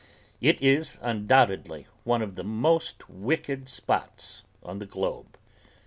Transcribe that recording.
It is undoubtedly one of the most wicked spots on the globe.